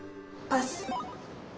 パス。